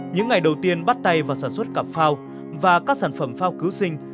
những ngày đầu tiên bắt tay vào sản xuất cà phao và các sản phẩm phao cứu sinh